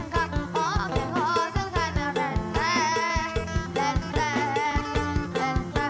สนุนโดยอีซุสเอกสิทธิ์แห่งความสุข